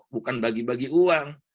bukan bagi bagi uang